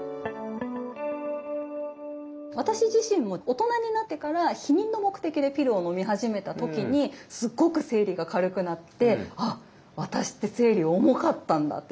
私自身も大人になってから避妊の目的でピルを飲み始めた時にすごく生理が軽くなって「あっ私って生理重かったんだ！」